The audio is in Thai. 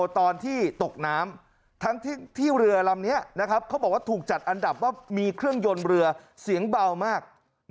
ตอนที่ตกน้ำทั้งที่เรือลำนี้เขาบอกว่าถูกจัดอันดับว่ามีเครื่องยนต์เรือเสียงเบามาก